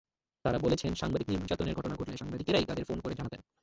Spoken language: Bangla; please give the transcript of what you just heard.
তাঁরা বলেছেন, সাংবাদিক নির্যাতনের ঘটনা ঘটলে সাংবাদিকেরাই তাঁদের ফোন করে জানাতেন।